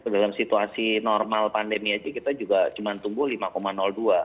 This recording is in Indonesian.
dalam situasi normal pandemi saja kita juga cuma tunggu lima dua gitu kan